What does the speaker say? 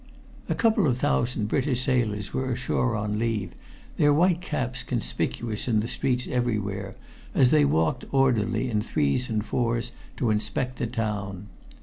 A couple of thousand British sailors were ashore on leave, their white caps conspicuous in the streets everywhere as they walked orderly in threes and fours to inspect the town.